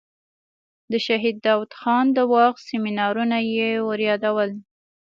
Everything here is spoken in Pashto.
د شهید داود خان د وخت سیمینارونه یې وریادول.